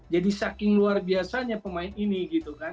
jadi saking luar biasanya pemain ini gitu kan